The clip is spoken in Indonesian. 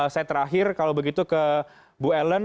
saya terakhir kalau begitu ke bu ellen